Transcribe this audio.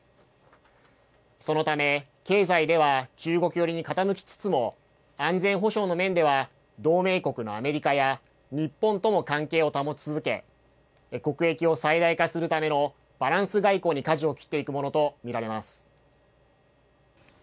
そのため、経済では中国寄りに傾きつつも、安全保障の面では同盟国のアメリカや日本とも関係を保ち続け、国益を最大化するためのバランス外交にかじを切っていくものと見られます。